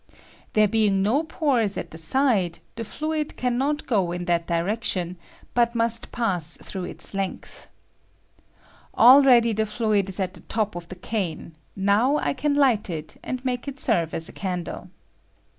There being no pores at the side, the fluid can not go in that direction, but must pass through its length. Already the fluid ia at the top of the cane; now I can light it and make it serve as a candle.